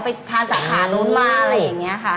ไปทานสาขานู้นมาอะไรอย่างนี้ค่ะ